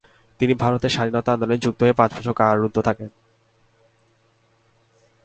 তিনি ভারতের স্বাধীনতা আন্দোলনে যুক্ত হয়ে পাঁচ বছর কারারুদ্ধ থাকেন।